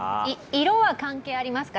色は関係ありますか？